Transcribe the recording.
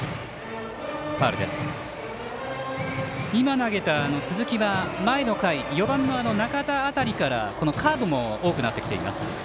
今投げた鈴木は、前の回４番の仲田辺りからカーブも多くなってきています。